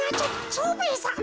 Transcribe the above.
蝶兵衛さま。